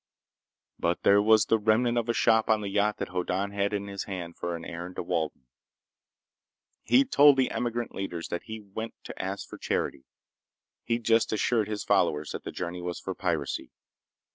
But there was the remnant of a shop on the yacht that Hoddan had in hand for his errand to Walden. He'd told the emigrant leaders that he went to ask for charity. He'd just assured his followers that their journey was for piracy.